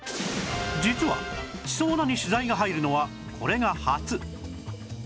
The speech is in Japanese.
実は馳走菜に取材が入るのはこれが初